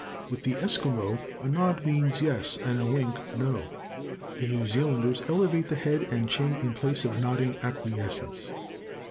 With the Esquimaux a nod means yes and a wink no. The New Zealanders "elevate the head and chin in place of nodding acquiescence."